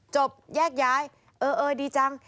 จบแยกย้ายเออดีจัง